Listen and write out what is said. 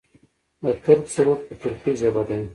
د ترک سرود په ترکۍ ژبه دی.